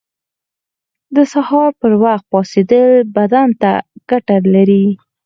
• د سهار پر وخت پاڅېدل بدن ته ګټه لري.